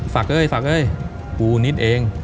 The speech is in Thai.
สักเอ้ยสักเอ้ยกูนิดเอง